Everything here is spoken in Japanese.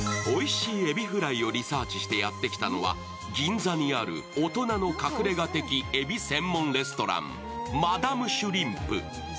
おいしいえびフライをリサーチしてやってきたのは、銀座にある大人の隠れ家的えび専門レストラン、マダムシュリンプ。